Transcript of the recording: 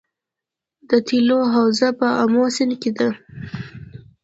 د تیلو حوزه په امو سیند کې ده